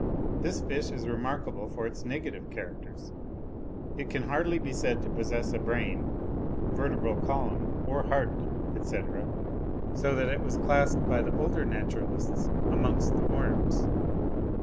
This fish is remarkable for its negative characters; it can hardly be said to possess a brain, vertebral column, or heart, etc.; so that it was classed by the older naturalists amongst the worms.